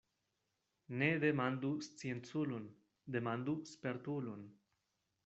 Ne demandu scienculon, demandu spertulon.